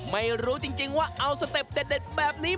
ไม่รู้จริงว่าเอาสเต็ปเด็ดแบบนี้